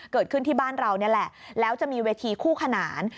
เกิดขึ้นที่บ้านเรานี่แหละแล้วจะมีเวทีคู่ขนาน